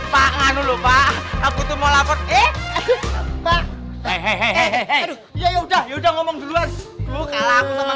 pak ngapain lu pak aku tuh mau lapor eh pak hehehe ya udah udah ngomong duluan lu kalau aku sama